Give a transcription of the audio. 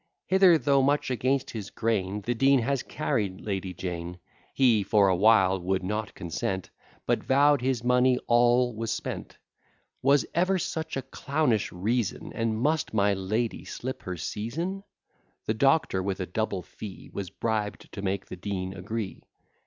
Hither, though much against his grain The Dean has carried Lady Jane. He, for a while, would not consent, But vow'd his money all was spent: Was ever such a clownish reason! And must my lady slip her season? The doctor, with a double fee, Was bribed to make the Dean agree.